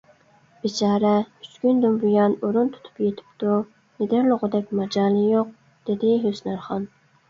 — بىچارە ئۈچ كۈندىن بۇيان ئورۇن تۇتۇپ يېتىپتۇ، مىدىرلىغۇدەك ماجالى يوق، — دېدى ھۆسنارخان.